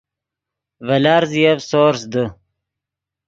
ڤے لارزیف سورس دے